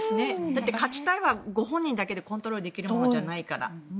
だって勝ちたいはご本人だけでコントロールできるものじゃないから。